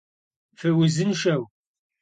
Fıuzınşşeu!